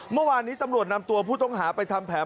เมื่อวานนี้ตำรวจนำตัวผู้ต้องหาไปทำแผน